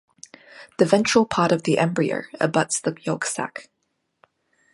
The ventral part of the embryo abuts the yolk sac.